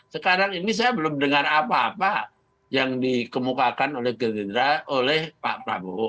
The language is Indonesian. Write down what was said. sekarang ini saya belum dengar apa apa yang dikemukakan oleh gerindra oleh pak prabowo